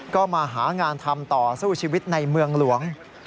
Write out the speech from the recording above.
ก็มาหางานทำต่อสู้ชีวิตในเมืองหลวง